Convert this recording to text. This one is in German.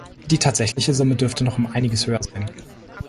Die tatsächliche Summe dürfte noch um einiges höher sein.